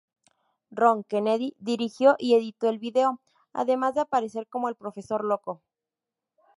Ron Kennedy dirigió y editó el video, además de aparecer como el profesor loco.